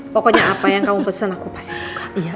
pokoknya apa yang kamu pesen aku pasti suka